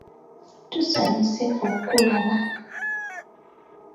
Tusanyuse okkulaba.